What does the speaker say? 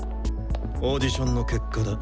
オーディションの結果だ。